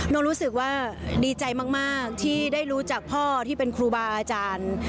รู้สึกว่าดีใจมากที่ได้รู้จักพ่อที่เป็นครูบาอาจารย์